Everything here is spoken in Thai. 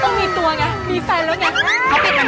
ต้องมีตัวไงมีแฟนแล้วไงเขาเป็นมานานไง